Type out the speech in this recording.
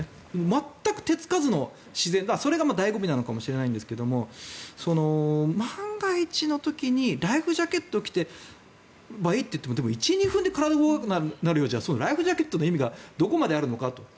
全く手つかずの自然とそれが醍醐味なのかもしれないですけど万が一の時にライフジャケットを着ていればいいといっても１２分で体が動かなくなるようだとライフジャケットの意味がどこまであるのかと。